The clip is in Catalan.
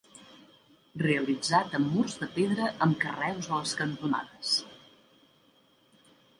Realitzat amb murs de pedra amb carreus a les cantonades.